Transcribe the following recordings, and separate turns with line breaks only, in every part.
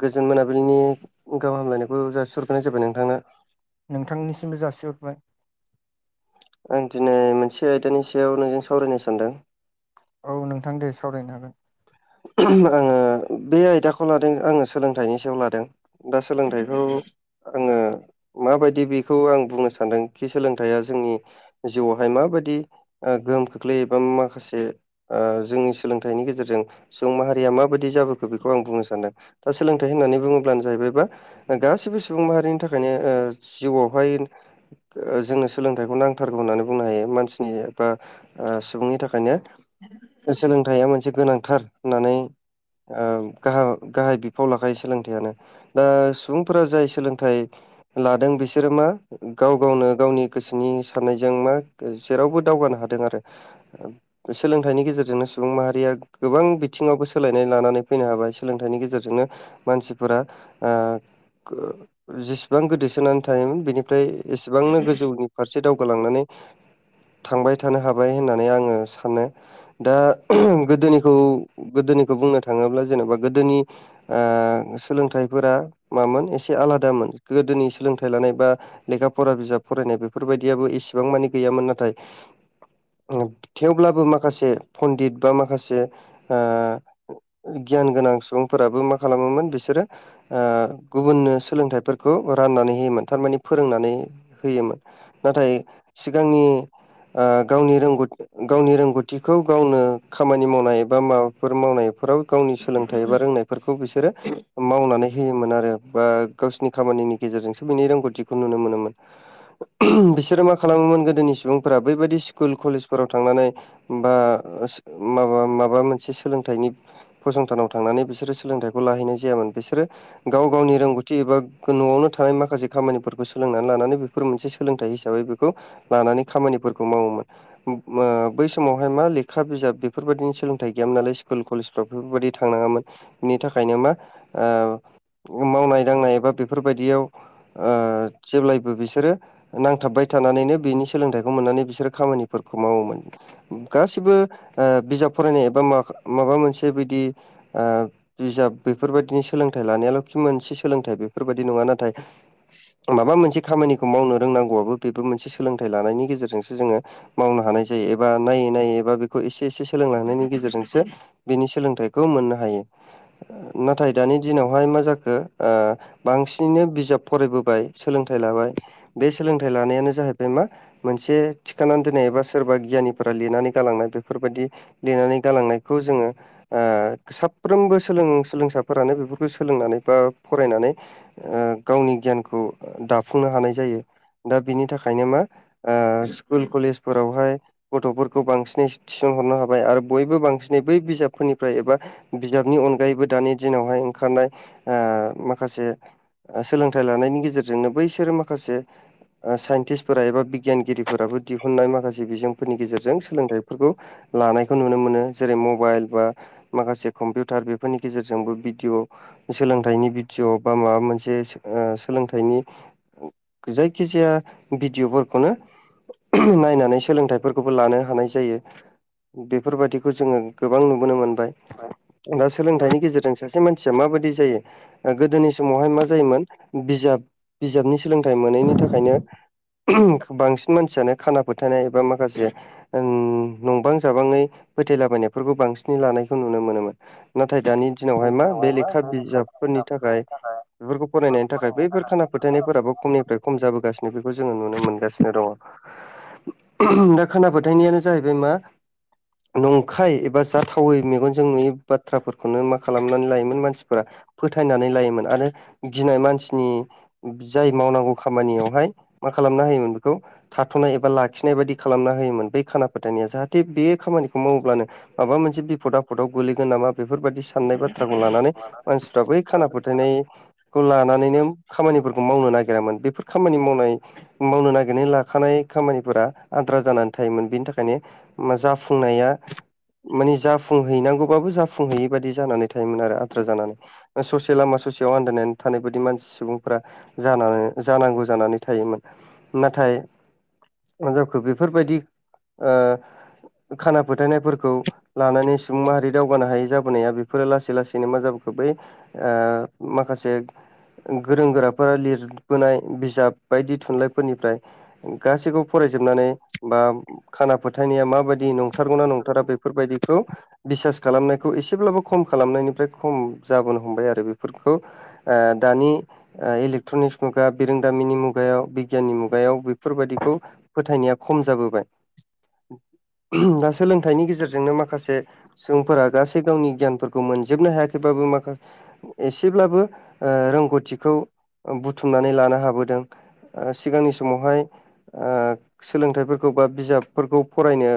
गोजोन मोनाबिलिनि गाहाम हामलायनायखौ जासिहरग्रोनाय जाबाय नोंथांनो
नोंथांनिसिमबो जासिहरबाय
आं दिनै मोनसे आयदानि सायाव नोंजों सावरायनो सानदों
औ नोंथां दे सावरायनो हागोन
आङो बे आयदाखौ लादों आङो सोलोंथाइनि सायाव लादों दा सोलोंथाइखौ आङो माबायदि बे खौ आं बुंनो सानदों कि सोलोंथाइया जोंनि जिउआवहाय माबायदि गोहोम खोख्लैयो एबा माखासे जोंनि सोलोंथाइनि गेजेरजों सुबुं माहारिया माबायदि जाबोखो बेखौ आं बुंनो सानदों दा सोलोंथाइ होननानै बुङोब्लानो जाहैबायबा गासैबो सुबुं माहारिनि थाखायनो जिउआवहाय जोंनो सोलोंथाइखौ नांगौ नांथारगौ होननानै बुंनो हायो मानसिनि एबा सुबुंनि थाखायनो सोलोंथाइया मोनसे गोनांथार होननानै गाहा गाहाय फाव लाखायो सोलोंथाइयानो दा सुबुंफोरा जाय सोलोंथाइ लादों बिसोर बिसोरो मा गाव गावनो गावनि गोसोनि साननायजों मा जेरावबो दावगानो हादों आरो सोलोंथाइनि गेजेरजोंनो सुबुं माहारिया गोबां बिथिङावबो सोलायनाय लानानै फैनो हाबाय सोलोंथाइनि गेजेरजोंनो मानसिफोरा जेसेबां गोदोसोनानै थायोमोन बेनिफ्राय एसेबांनो गोजौनि फारसे दावगालांनानै थांबाय थानो हाबाय होननानै आङो सानो दा गोदोनिखौ गोदोनिखौ बुंनो थाङोब्ला जेनेबा गोदोनि सोलोंथाइफोरा मामोन एसे आलादामोन गोदोनि सोलोंथाइ लानाय बा लेखा फरा बिजाब फरायनाय बे बेफोरबायदियाबो इसेबां मानि गैयामोन नाथाय थेवब्लाबो मा माखासे पन्डित बा माखासे ओ गियान गोनां सुबुंफोराबो मा खालामोमोन बिसोरो गुबुननो सोलोंथाइफोरखौ राननानै होयोमोन थारमानि फोरोंनानै होयोमोन नाथाय सिगांनि गावनि रोंगौथि गावनि रोंगौथिखौ गावनो खामानि मावनाय बा माबाफोर मावनायफोराव गावनि सोलोंथाइ एबा रोंनायफोरखौ बिसोरो मावनानै होयोमोन आरो बा गावसिनि खामानिनि गेजेरजोंसो बिनि रोंगौथिखौ नुनो मोनोमोन बिसोरो माखासे खालामोमोन गोदोनि सुबुंफोरा बैबायदि स्कुल कलेजफोराव थांनानै बा माबा मा माबा मोनसे सोलोंथाइनि फसंथानाव थांनानै बिसोरो सोलोंथाइखौ लाहैनाय जायामोन बिसोरो गाव गावनि रोंगौथि एबा न'आवनो थानाय माखासे खामानिफोरखौ सोलोंनानै लानानै बेफोर मोनसे सोलोंथाइ हिसाबै बेखौ लानानै खामानिफोरखौ मावोमोन बै समावहाय मा लेखा बिजाब बेफोरबायदिनि सोलों थाय गैयामोन नालाय स्कुल कलेजफ्राव बेफोरबायदि थांनाङामोन बिनि थाखायनो मा ओ मावनाय दांनाय एबा बेफोरबायदियाव जेब्लायबो बिसोरो नांथाबबाय थानानैनो बिनि सोलोंथाइखौ मोननानै बिसोरो खामानिफोरखौ मावोमोन गासिबो बिजाब फरायनाय एबा मा माबा मोनसे बिदि बिजाब बेफोर बायदिनि सोलोंथाय लानायाल' मोनसे सोलोंथाय बेफोरबायदि नङा नाथाय माबा मोनसे खामानिखौ मावनो रोंनांगौआबो बेबो मोनसे सोलोंथाइ लानायनि गेजेरजोंसो जोङो मावनो हानाय जायो एबा नायै नायै एबा बेखौ एसे एसे सोलोंलांनायनि गेजेरजोंसो बिनि सोलोंथाइखौ मोननो हायो नाथाय दानि दिनावहाय मा जाखो बांसिनैनो बिजाब फरायबोबाय सोलोंथाइ लाबाय बे सोलोंथाइ लानायानो जाहैबाय मा मोनसे थिखानानै दोननाय एबा सोरबा गियानिफोरा लिरनानै गालांनाय बेफोरबायदि लिरनानै गालांनायखौ जोङो साफ्रोमबो सोलों सोलोंसा फोरानो बेफोरखौ सोलोंनानै बा फरायनानै गावनि गियानखौ दाफुंनो हानाय जायो दा बिनि थाखायनो मा स्कुल कलेजफोरावहाय गथ'फोरखौ बांसिनै थिसनहरनो हाबाय आरो बयबो बांसिनै बै बिजाबफोरनिफ्राय एबा बिजाबनि अनगायैबो दानि दिनावहाय ओंखारनाय माखासे सोलोंथाइ लानायनि गेजेरजों जोंनो बैसोरो माखासे साइन्टिसफोरा एबा बिगियानगिरिफोराबो दिहुननाय माखसे बिजों फोरनि गेजेरजों सोलोंथाइफोरखौ लानायखौ नुनो मोनो जेरै मबाइल बा माखासे कम्पिउटार बेफोरनि गेजेरजोंबो भिडिअ' सोलोंथाइनि बिडिय' बा माबा मोनसे सोलोंथाइनि जायखिजाया भिडिअफोरखौनो नायनानै सोलोंथाइफोरखौबो लानो हानाय जायो बेफोरबायदिखौ जोङो गोबां नुबोनो मोनदों बाय सोलोंथाइनि गेजेरजों सासे मानसिया माबायदि जायो गोदोनि समावहाय मा जायोमोन बिजाब बिजाबनि सोलोंथाइ मोनैनि थाखायनो बांसिन मानसियानो खाना फोथायनाय एबा माखासे ओम नंबां जाबाङै फोथायलाबायनायफोरखौ बांसिनै लानायखौ नुनो मोनोमोन नाथाय दानि दिनावहाय मा बे लेखा बिजाबफोरनि थाखाय बेफोरखौ फरायनायनि थाखाय बैफोर खाना फोथायनायफोराबो खमनिफ्राय खम जाबोगासिनो बेखौ जोङो नुनो मोनगासिनो दङ दा खोना फोथायनायानो जाहैबाय मा नंखाय एबा जाथावै मेगनजों नुयि बाथ्राफोरखौनो मा खालामनानै लायोमोन मानसिफोरा फोथायनानै लायोमोन आरो गिनाय मानसिनि जाय मावनांगौ खामानियावहाय खालामना होयोमोन बेखौ थाथ'नाय एबा लाखिनाय बायदि खालामना होयोमोन बै खाना फोथायनाया जाहाथे बे खामानिखौ मावब्लानो माबा मोनसे बिफद आफदाव गोलैगोन नामा बेफोरबायदि साननाय बाथ्राखौ लानानै मानसिफ्रा बै खाना
जागोन।
फोथायनाय खौ लानानैनो खामानिफोरखौ मावनो नागिरामोन बेफोर खामानि मावनाय मावनो नागिरनानै लाखानाय खामानिफोरा आद्रा जानानै थायोमोन बेनि थाखायनो जा फुंनाया मानि जाफुंहैनांगौबाबो जाफुंहैयै बाददि जानानै थायोमोन आरो आद्रा जानानै ससे लामा ससेयाव आन्दायनानै थानाय बायदि मानसि सुबुंफोरा जानानै जानांगौ जानानै थायोमोन नाथाय हिनजावखौ बेफोरबायदि ओ खाना फोथायनायफोरखौ लानानै सुबुं माहारि दावगानो हायै जाबोनाया बेफोरो लासै लासैनो मा जाबोखो बै आ माखासे गोरों गोराफोरा लिरबोनाय बिजाब बायदि थुनलाइ फोरनिफ्राय गासैखौबो फरायजोबनानै बा खाना फोथायनाया माबाय दि नंथारगौ ना नंथारा बेफोरबायदिखौ बिसास खालामनायखौ एसेब्लाबो खम खालामनायनिफ्राय खम जाबोनो हमबाय आरो बेफोरखौ आ दानि इलेक्ट्रनिक्स मुगा बिरोंदामिनि मुगायाव बिगियाननि मुगायाव बेफोरबायदिखौ फोथायनाया खम जाबोबाय दा सोलोंथाइनि गेजेरजोंनो माखासे सुबुंफोरा गासै गावनि गियानफोर खौ मोनजोबनो हायाखैबाबो माखा एसेब्लाबो रोंगौथिखौ बुथुमनानै लानो हाबोदों सिगांनि समावहाय ओ सोलोंथाइफोरखौ बा बिजाबफोरखौ फरायनो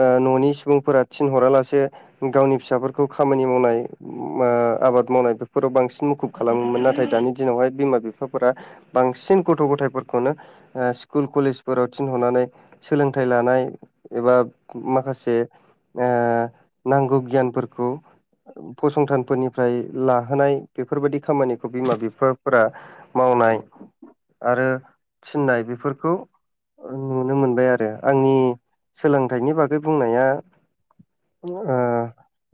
ओ न'नि सुबुंफोरा थिनहरालासे गावनि फिसाफोरखौ खामानि मावनाय आबाद मावनाय बेफोराव बांसिन मुखुब खालामोमोन नाथाय दानि दिनावहाय बिमा बिफाफोरा बांसिन गथ' गथायफोरखौनो स्कुल कलेजफोराव थिनहरनानै सोलोंथाइ लानाय एबा माखासे नांगौ गियानफोरखौ फसंथानफोरनिफ्राय लाहोनाय बेफोरबायदि खामानिखौ बिमा बिफाफोरा मावनाय आरो थिननाय बेफोरखौ नुनो मोनबाय आरो आंनि सोलोंथाइनि बागै बुंनाया आ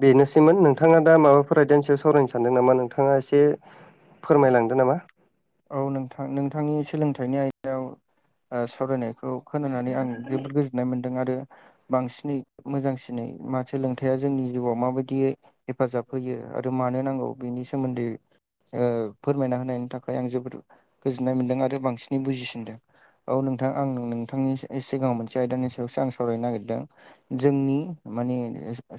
बेनोसैमोन नोंथाङा दा माबाफोर आयदानि सायाव सावरायनो सानदों नामा नोंथाङा एसे फोरमायलांदो नामा
औ नोंथां नोंथांनि सोलोंथाइनि आयदायाव सावरायनायखौ खोनानानै आं जोबोद गोजोननाय मोन्दों आरो बांसिनै मोजांसिनै मा सोलोंथाइया जोंनि जिउआव माबायदियै हेफाजाब होयो आरो मानो नांगौ बेनि सोमोन्दै फोरमायना होनायनि था खाय आं जोबोद गोजोननाय मोनदों आरो बांसिनै बुजिसिनदों औ नोंथां आं नोंथांनि सिगाङाव मोनसे आयदानि सायावसो आं सावरायनो नागिरदों जोंनि माने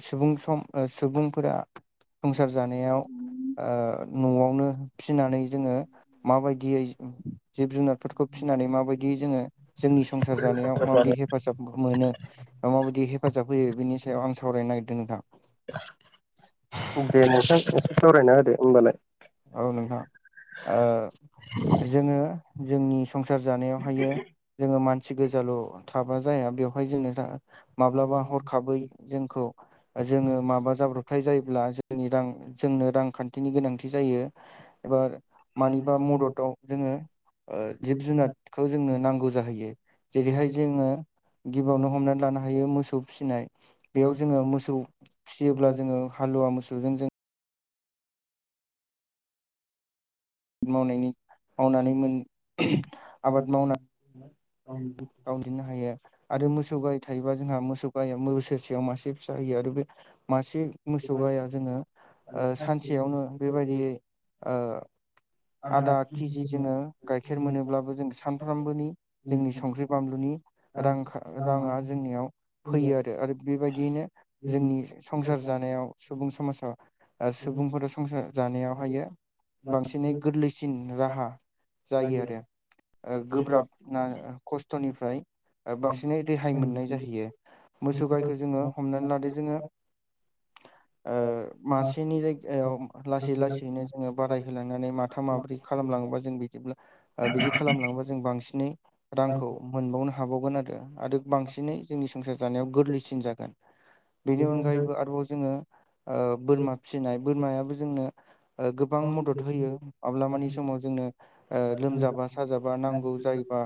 सुबुं सम सुबुंफोरा संसार जानायाव ओ न'आवनो फिनानै जोङो माबायदियै जिब जुनारफोरखौ फिसिनानै माबायदियै जोङो जोंनि संसार जानायाव माबायदि हे फाजाब मोनो माबायदि हेफाजाब होयो बेनि सायाव आं सावरायनो नागिरदों नोंथां
दे नोंथां सावरायना होदो होमबालाय
औ नोंथां ओ जोङो जोंनि संसार जानायावहायो जोङो मानसि गोजाल थाबा जाया बेवहाय जोंङो माब्लाबा हरखाबै जोंखौ जोङो माबा जाब्रबथाय जायोब्ला जों नि रां जोंनो रांखान्थिनि गोनांथि जायो एबा मानिबा मददाव जोङो ओ जिब जुनारखौ जोंनो नांगौ जाहैयो जेरैहाय जोङो गिबियावनो हमनानै लानो हायो मोसौ फिसिनाय बेयाव जोङो मोसौ फियोब्ला जोङो हालुवा मोसौजों जों मावनायनि मावनानै मोन आबाद मावना
औ नोंथां
गावदिनो हायो आरो मोसौ गाइ थायोबा जोंहा मोसौ गाइ बोसोरसेयाव मासे फिसा होयो आरो बे मासे मोसौ गाया जोङो ओ सानसेयावनो बेबायदियै ओ आधा केजि जोङो गाइखेर मोनोब्लाबो जों सानफ्रामबोनि जोंनि संख्रि बानलुनि रांखा राङा जोंनियाव फैयो आरो आरो बेबायदियैनो जोंनि संसार जानायाव सुबुं समाजाव सुबुंफोर संसार जानायावहायो बांसिनै गोरलैसिन राहा जायो आरो ओ गोब्राब ना खस्थनिफ्राय बांसिनै रेहाय मोननाय
आरो
जाहैयो मोसौ
मदद
गायखौ जोङो हमनानै लादो जोङो ओ मासेनि जायगायाव लासै लासैनो जोङो बारायहोलांनानै मा थाम माब्रै खालामलाङोबा जों बिदिब्ला बिदि खालामलाङोबा जों बांसिनै रांखौ मोनबावनो हाबावगोन आरो आरो बांसिनै जोंनि संसार जानायाव गोरलैसिन जागोन बेनि अनगायैबो आरोबाव जोङो ओ बोरमा फिसिनाय बोरमायाबो जोंनो गोबां मदद होयो माब्लाबानि समाव जोंनो ओ लोमजाबा साजाबा नांगौ जायोबा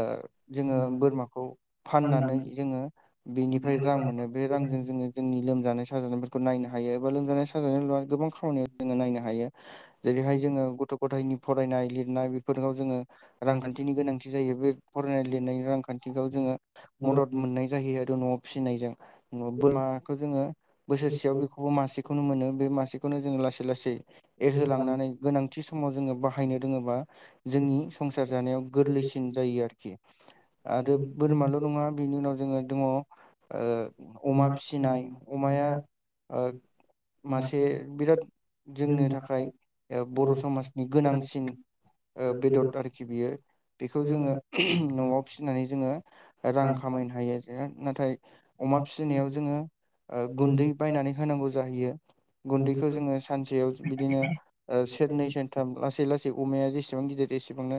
ओ जोङो बोरमाखौ फाननानै जोङो बेनिफ्राय रां मोनो बे रांजों जोङो जोंनि लोमजानाय साजानायफोरखौ नायनो हायो एबा लोमजानाय साजानायल नङा गोबां खामानियाव जोङो नायनो हायो जेरैहाय जोङो गथ' गथायनि फरायनाय लिरनाय बेफोरखौ जोङो रांखान्थिनि गोनांथि जायो बे फरायनाय लिरनाय रांखान्थिखौ जोङो मदद
मोनो
मोननाय जाहैयो आरो न'आव फिसिनायजों बोरमाखौ जोङो
अमा
बोसोरसेयाव बेखौबो मासेखौनो मोनो बे मासेखौनो जोङो
फिसिनानै
लासै लासै एरहोलांनानै गोनांथि समाव जोङो बाहायनो रोङोबा जोंनि संसा सार जानायाव गोरलैसिन जायो आरोखि आरो बोरमाल नङा बिनि उनाव जोङो दङ ओ अमा फिसिनाय अमाया
[unintelligible]
ओ मासे बिराद जोंनो थाखाय बर' समाजनि गोनांसिन बेदद
बेदरखौ
आरोखि बियो बेखौ जोङो न'आव फिसिनानै जों ङो रां खामायनो हायो जे
थाखाय
नाथाय अमा फिसिनायाव जोङो ओ गुन्दै बायनानै होनांगौ जाहैयो गुनदैखो
गुन्दैखौ
जोङो सानसेयाव बिदिनो ओ सेरनै से थाम लासै लासै अमाया जेसेबां गिदिर एसेबांनो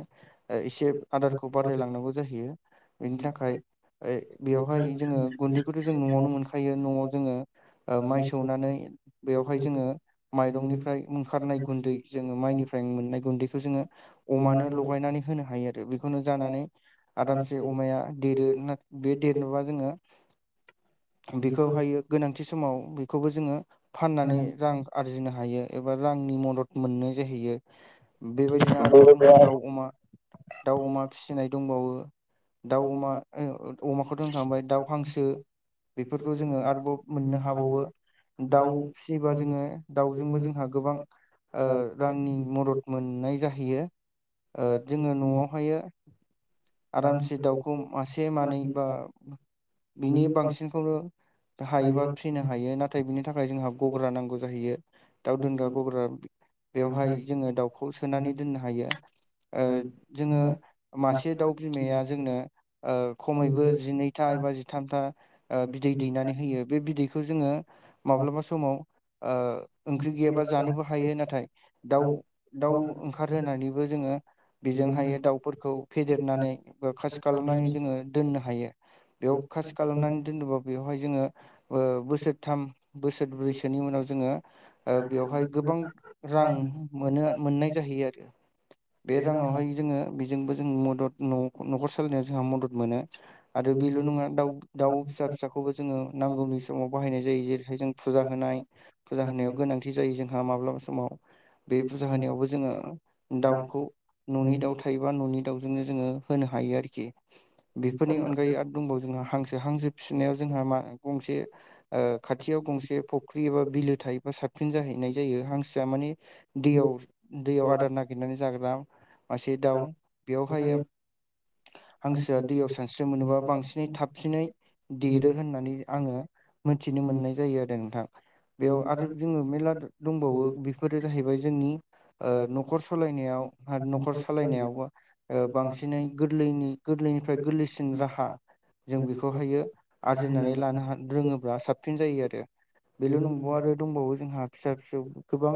एसे आदारखौ बारायलांनांगौ जाहैयो बेनि थाखाय बेवहाय जोङो गुन्दैखौथ जों न'आवनो मोनखायो न'आव जोङो ओ माइ सौनानै
नायसननानै
बेवहाय जोङो
बेवहाय
माइरंनिफ्राय ओंखारनाय गुन्दै जोङो माइनिफ्रायनो मोननाय गुैन्दैखौनो जोङो अमानो लगायनानै होनो हायो आरो बेखौनो जो आरामसे अमाया देरो बे देरनोबा जोङो बेखौहायो गोनांथि समाव बेखौबो जोङो फाननानै रां आर आरजिनो हायो एबा रांनि मदद मोननाय जाहैयो बेबायदिनो आरोबाव जोंहख दाउ अमा दाउ अमा फिनाय दंबावो दाउ अमा अमाखौथ' होनखांबाय दाउ हांसो बेफोरखौ जोङो आरोबाव मोननो हाबावो दाउ
जों
फिसियोबा जोङो दाउजोंबो जोंहा गोबां ओ रांनि मदद मोननाय जाहैयो ओ जोङो न'आवहायो आरामसे दाउखौ मासे मानै बा बिनि बांसिनखौनो हायोबा फिनो हायो नाथाय नथाय बिनि थाखाय जोंहा गग्रा नांगौ जाहैयो दाउ दोनग्रा गग्रा बेवहाय जोङो दाउखौ सोनानै दोननो हायो ओ जोङो मासे दाउ बिमाया जोंनो ओ खमैबो जिनैथा एबा जि थामथा ओ बिदै दैनानै होयो बे बिदैखौ जोङो माब्लाबा समाव ओ ओंख्रि गैयाबा जानोबो हायो ना नाथाय दाउ दाउ ओंखारजेननायनिबो जोङो बेजोंहायो दाउफोरखौ फेदेरनानै बा खासि खालामनानै जोङो दोननो हायो बेयाव खासि खालामनानै दोनोबा बेवहाय जोङो ओ बोसोरथाम बोसोरब्रैसोनि उनाव जोङो ओ बेवहाय गोबां रां मोनो मोननाय जाहैयो आरो बे राङावहाय जों बेजोंबो जों मदद न'खर सालायनायाव जोंहा मदद मोनो आरो बेल' नङा दाउ दाउ फिसा फिसाखौबो जोङो नांगौनि समाव बाहायनाय जायो जेरैहाय जों फुजा होनाय फुजा होनायाव गोनांथि जायो जोंहा माब्लाबा समाव बे फुजा होनायावबो जोङो दाउखौ न'नि दाउ थायोबा न'नि दाउजोंनो जोङो होनो हायो आरोखि बेफोरनि अनगायै आरो दंबावो जोंहा हांसो हांसो फिनायाव जोंहा मा गंसे ओ खाथियाव गंसे फुख्रि एबा बिलो थायोबा साबसिन जाहैनाय जायो हांसो या माने दैयाव दैयाव आदार नागिरनानै जाग्रा मासे दाउ बेयावहायो हांसोआ दैयाव सानस्रिनो मोनोबा बांसिनै थाबसिनै देरो होननानै आङो मोनथिनो मोननाय जायो आरो नोंथां बेयाव आरो जोङो मेरला दंबावो बेफोरो जाहैबाय जोंनि ओ न'खर सालायनायाव न'खर सालायनायाव ओ बांसिनै गोदो गोरलै गोरलैनिफ्राय गोरलैसिन राहा जों बेखौहायो आरजिनानै लानो हायो रोङोब्ला साबसिन जायो आरो बेल' नंबावा आरो दंबावो जोंहा फिसा फिसौ गोबां